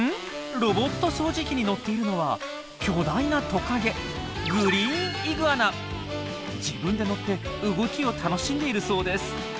ロボット掃除機に乗っているのは巨大なトカゲ自分で乗って動きを楽しんでいるそうです。